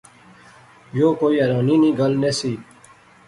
یو کوئی حیرانی نی گل نہسی